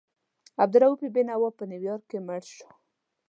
عبدالرؤف بېنوا په نیویارک کې مړ شو.